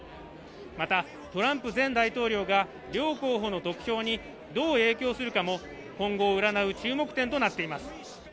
またトランプ前大統領が両候補の得票にどう影響するかも今後を占う注目点となっています